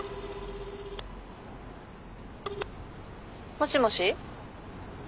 もしもし。